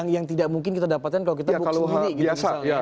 yang tidak mungkin kita dapatkan kalau kita book sendiri gitu misalnya